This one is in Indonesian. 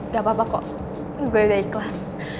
gak apa apa kok gue udah ikhlas